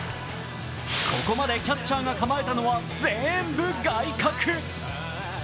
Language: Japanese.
ここまでキャッチャーが構えたのは全部外角。